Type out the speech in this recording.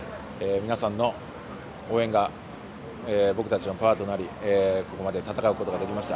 皆さんの応援が僕たちのパワーとなりここまで戦うことができました。